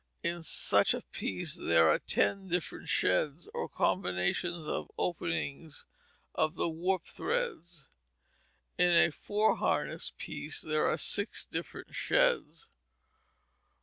In such a piece there are ten different sheds, or combinations of openings of the warp threads. In a four harness piece there are six different sheds.